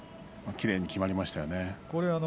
きれいに、きまりましたね。